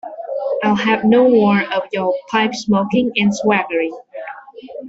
I'll have no more of your pipe-smoking and swaggering.